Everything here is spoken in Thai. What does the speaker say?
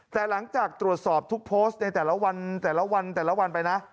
แต่หลังจากตรวจสอบทุกโพสต์ในแต่ละวันแต่ละวันแต่ละวันไปนะ